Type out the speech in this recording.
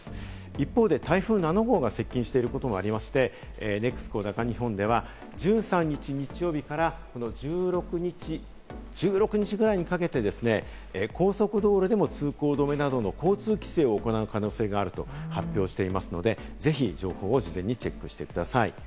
一方で台風７号が接近していることもありまして、ＮＥＸＣＯ中日本では１３日日曜日から１６日ぐらいにかけて、高速道路でも通行止めなどの交通規制を行う可能性があると発表していますので、ぜひ情報を事前にチェックしてください。